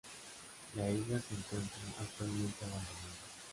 La isla se encuentra actualmente abandonada.